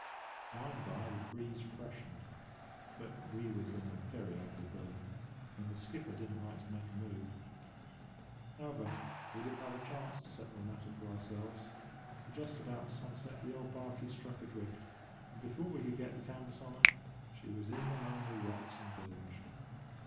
"By and by the breeze freshened; but we was in a very ugly berth, and the skipper didn't like to make a move. "However, we didn't have a chance to settle the matter for ourselves, for just about sunset the old barkie struck adrift, and, before we could get the canvas on her, she was in among the rocks and bilged.